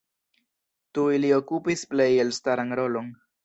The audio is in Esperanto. Tuj li okupis plej elstaran rolon.